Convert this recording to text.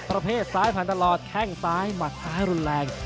ประเภทซ้ายผ่านตลอดแข้งซ้ายหมัดซ้ายรุนแรง